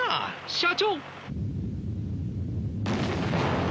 社長！